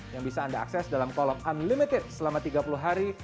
yang bisa anda akses dalam kolom unlimited selama tiga puluh hari